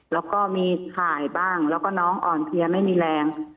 แล้วก็มีถ่ายบ้างแล้วก็น้องอ่อนเพลียไม่มีแรง